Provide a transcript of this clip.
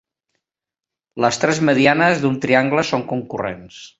Les tres medianes d'un triangle són concurrents.